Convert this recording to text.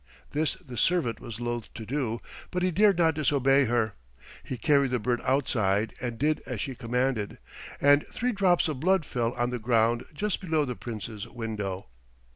This the servant was loath to do, but he dared not disobey her. He carried the bird outside and did as she commanded, and three drops of blood fell on the ground just below the Prince's window.